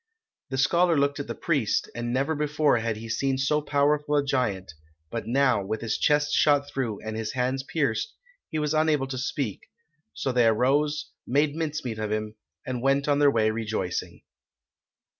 "The scholar looked at the priest, and never before had he seen so powerful a giant, but now, with his chest shot through and his hands pierced, he was unable to speak; so they arose, made mincemeat of him, and went on their way rejoicing."